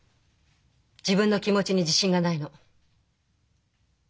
自分の気持ちに自信がないの。